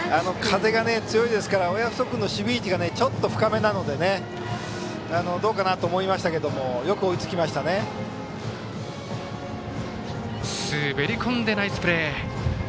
風が強いですから親富祖君の守備位置がちょっと深めなのでどうかなと思いましたが滑り込んでナイスプレー！